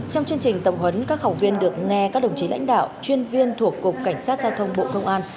trong chương trình tổng huấn các học viên được nghe các đồng chí lãnh đạo chuyên viên thuộc cục cảnh sát giao thông bộ công an